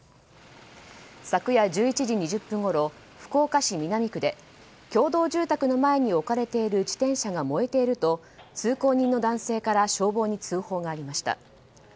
昨夜１１時２０分ごろ福岡市南区で共同住宅の前に置かれている自転車が燃えていると通行人の男性から消防に通報がありました。